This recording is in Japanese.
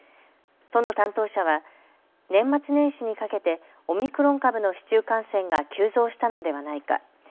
都の担当者は年末年始にかけてオミクロン株の市中感染が急増したのではないか。